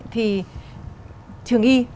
thì trường y